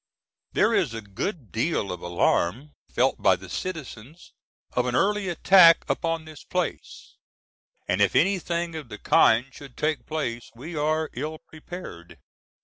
There is a good deal of alarm felt by the citizens of an early attack upon this place, and if anything of the kind should take place we are ill prepared.